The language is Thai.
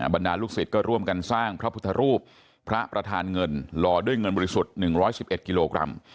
บรรดาลูกศิษย์ก็ร่วมกันสร้างพระพุทธรูปพระประธานเงินรอด้วยเงินบริสุทธิ์๑๑๑กิโลกรัม